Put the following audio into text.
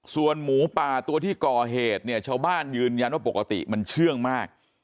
ส่วนหมูป่าตัวที่ก่อเหตุเนี่ยชาวบ้านยืนยันว่าปกติมันเชื่องมาก